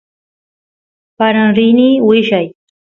paran rini willay